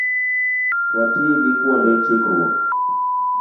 Wati gi kuonde chikruok